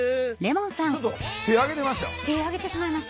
ちょっと手あげてました？